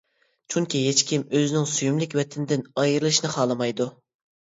چۈنكى، ھېچكىم ئۆزىنىڭ سۆيۈملۈك ۋەتىنىدىن ئايرىلىشنى خالىمايدۇ.